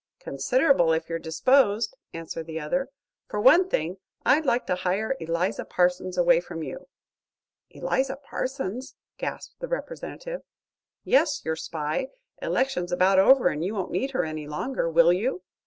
"Considerable, if you're disposed," answered the other. "For one thing I'd like to hire Eliza Parsons away from you." "Eliza Parsons!" gasped the Representative. "Yes, your spy. Election's about over and you won't need her any longer, will you?"